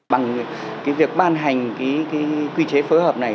bằng việc ban hành quy chế phối hợp này